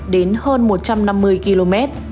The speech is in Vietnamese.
đến hơn một trăm năm mươi km